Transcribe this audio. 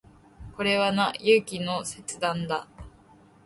これはな、勇気の切断だ。